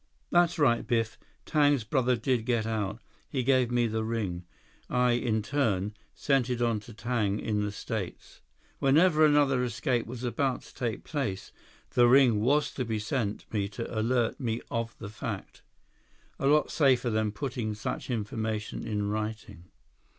"That's right, Biff. Tang's brother did get out. He gave me the ring. I, in turn, sent it on to Tang in the States. Whenever another escape was about to take place, the ring was to be sent me to alert me of the fact. A lot safer than putting such information in writing."